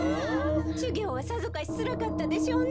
しゅぎょうはさぞかしつらかったでしょうね。